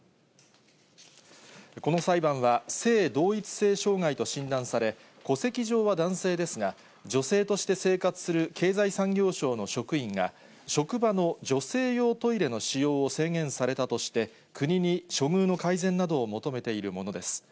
この裁判は、性同一性障害と診断され、戸籍上は男性ですが、女性として生活する経済産業省の職員が、職場の女性用トイレの使用を制限されたとして、国に処遇の改善などを求めているものです。